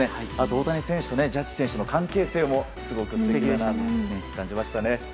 大谷選手とジャッジ選手の関係性もすごく素敵だなと感じましたね。